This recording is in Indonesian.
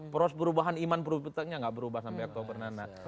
proses perubahan iman iman perubahannya gak berubah sampai aktual pernah